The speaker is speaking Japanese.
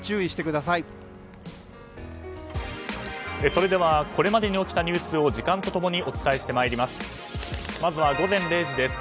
それではこれまでに起きたニュースを時間と共にお伝えします。